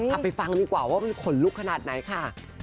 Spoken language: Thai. เอาไปฟังดีกว่าว่ามันขนลุกขนาดไหนค่ะ